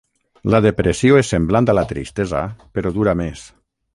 La depressió és semblant a la tristesa però dura més.